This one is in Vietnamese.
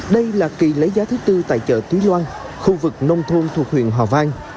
đây là kỳ lấy giá thứ tư tại chợ tuy loan khu vực nông thôn thuộc huyện hòa vang